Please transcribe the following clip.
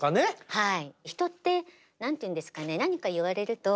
はい。